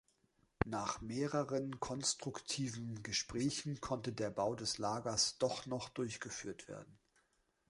Nach mehreren konstruktiven Gesprächen konnte der Bau des Lagers doch noch durchgeführt werden.